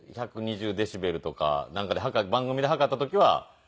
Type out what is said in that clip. １２０デシベルとか番組で測った時は。